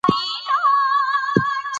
قومونه د افغانانو د فرهنګي پیژندنې برخه ده.